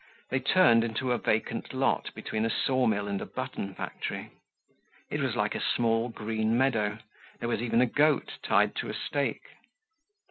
They turned into a vacant lot between a sawmill and a button factory. It was like a small green meadow. There was even a goat tied to a stake.